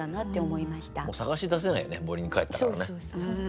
もう捜し出せないよね森に帰ったからね。